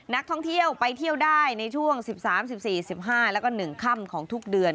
นักท่องเที่ยวไปเที่ยวได้ในช่วง๑๓๑๔๑๕แล้วก็๑ค่ำของทุกเดือน